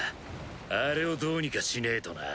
あれをどうにかしねぇとな。